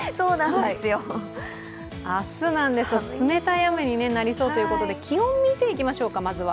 明日なんですが、冷たい雨になりそうということでまずは気温を見ていきましょうか。